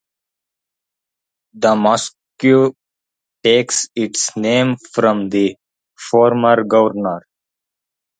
The mosque takes its name from the former governor.